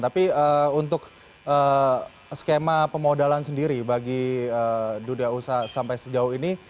tapi untuk skema pemodalan sendiri bagi dunia usaha sampai sejauh ini